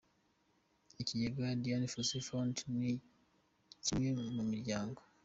Ikigega Dian Fossey Fund ni kimwe mu miryango.